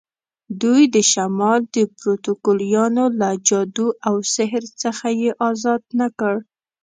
دوی د شمال د پروتوکولیانو له جادو او سحر څخه یې آزاد نه کړ.